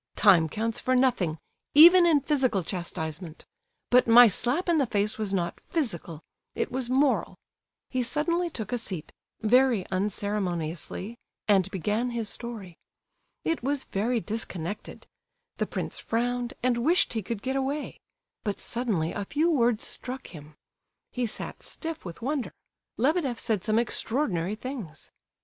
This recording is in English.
"Time counts for nothing, even in physical chastisement; but my slap in the face was not physical, it was moral." He suddenly took a seat, very unceremoniously, and began his story. It was very disconnected; the prince frowned, and wished he could get away; but suddenly a few words struck him. He sat stiff with wonder—Lebedeff said some extraordinary things.